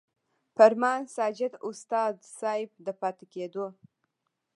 فرمان ساجد استاذ صېب د پاتې کېدو